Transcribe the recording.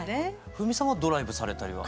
冬美さんはドライブされたりは？